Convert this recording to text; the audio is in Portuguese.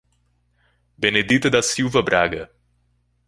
Benedita da Silva Braga